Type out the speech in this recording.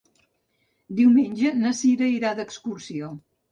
Diumenge na Sira irà d'excursió.